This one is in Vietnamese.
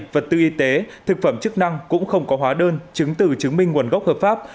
vật tư y tế thực phẩm chức năng cũng không có hóa đơn chứng từ chứng minh nguồn gốc hợp pháp